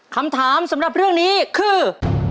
คำถามสำหรับเรื่องนี้คือ